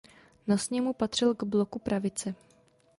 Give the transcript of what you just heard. Na sněmu patřil k bloku pravice.